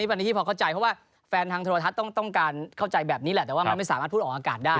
วันนี้ที่พอเข้าใจเพราะว่าแฟนทางโทรทัศน์ต้องการเข้าใจแบบนี้แหละแต่ว่ามันไม่สามารถพูดออกอากาศได้